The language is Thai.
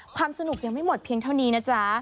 ความสนุกยังไม่หมดเพียงเท่านี้นะจ๊ะ